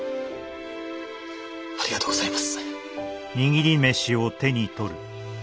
ありがとうございます。